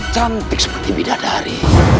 cantik seperti bidadari